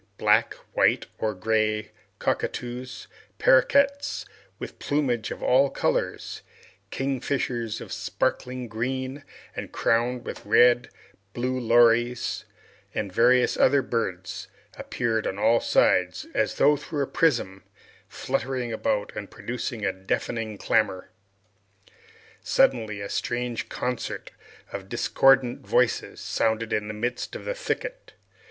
Black, white, or gray cockatoos, paroquets, with plumage of all colors, kingfishers of a sparkling green and crowned with red, blue lories, and various other birds appeared on all sides, as through a prism, fluttering about and producing a deafening clamor. Suddenly, a strange concert of discordant voices resounded in the midst of a thicket.